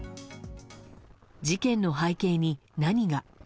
事件の背景に何が。